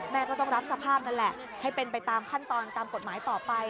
ก็ต้องรับสภาพนั่นแหละให้เป็นไปตามขั้นตอนตามกฎหมายต่อไป